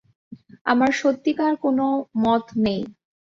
আমার সত্যিকার কোনো মত নেই।